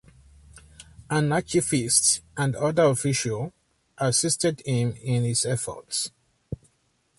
An archivist and other officials assisted him in his efforts.